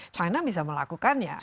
china bisa melakukannya